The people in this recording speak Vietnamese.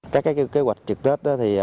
các kế hoạch trực tết